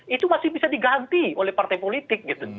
itu masih bisa diganti oleh partai politik gitu